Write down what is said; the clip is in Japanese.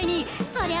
そりゃ